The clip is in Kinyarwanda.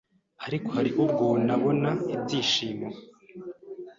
ariko hari nubwo nabona ibyishimo